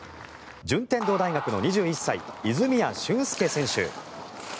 順天堂大学の２１歳泉谷駿介選手。